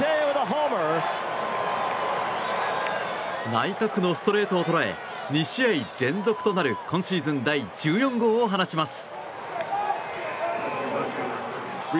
内角のストレートを捉え２試合連続となる今シーズン第１４号を放ちます。